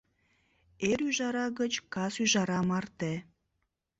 Эр ӱжара гыч кас ӱжара марте.